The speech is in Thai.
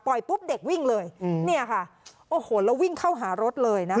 ปุ๊บเด็กวิ่งเลยอืมเนี่ยค่ะโอ้โหแล้ววิ่งเข้าหารถเลยนะคะ